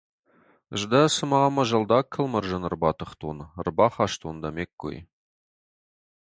Ӕз дӕ цыма мӕ зӕлдаг кӕлмӕрзӕны ӕрбатыхтон, ӕрбахастон дӕ ме ʼккой.